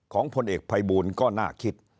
ของผลเอกภัยบูรณ์ก็น่าคิด